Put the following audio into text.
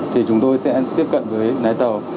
thì chúng tôi sẽ tiếp cận với nái tàu